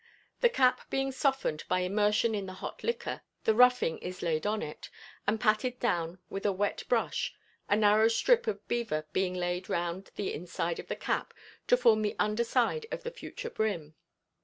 The cap being softened by immersion in the hot liquor, the "ruffing" is laid on it, and patted down with a wet brush, a narrow strip of beaver being laid round the inside of the cap to form the underside of the future brim.